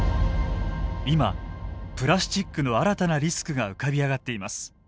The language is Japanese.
今プラスチックの新たなリスクが浮かび上がっています。